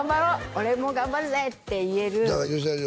「俺も頑張るぜ！」って言える吉沢亮